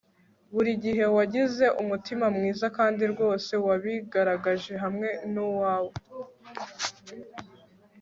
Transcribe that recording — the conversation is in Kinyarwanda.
burigihe wagize umutima mwiza kandi rwose wabigaragaje hamwe nuwawe